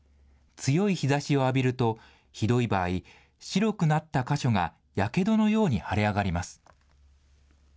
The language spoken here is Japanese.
強い日ざしを浴びると、ひどい場合、白くなった箇所がやけどのように腫れ上がります。